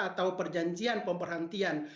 atau perjanjian pemberhentian